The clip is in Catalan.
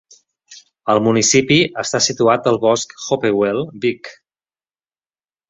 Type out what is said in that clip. El municipi està situat el bosc Hopewell Big.